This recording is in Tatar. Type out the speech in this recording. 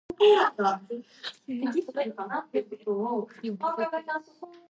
Аларның никахы гаҗәеп уңышлы булып чыга.